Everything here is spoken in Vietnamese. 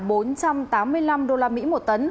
bốn trăm tám mươi năm usd một tấn